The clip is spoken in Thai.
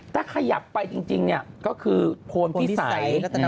ถ้าขยับไปจริงก็คือโพลพิสัย